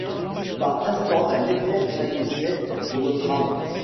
Par instants un éclair jaillissait de notre âme ;